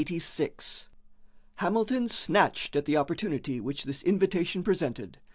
Hamilton snatched at the opportunity which this invitation presented.